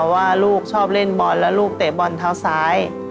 ว่าลูกชอบเล่นบอลแล้วลูกเตะบอลเท้าซ้าย